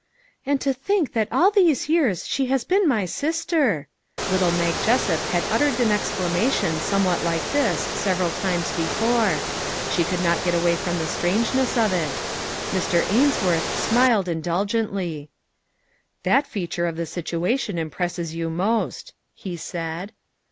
" And to think that all these years she has been my sister !" Little Mag Jessup had ut tered an exclamation somewhat like this sev eral times before. She could not get away from the strangeness of it. Mr. Ainsworth smiled indulgently. " That feature of the situation impresses you most," he said.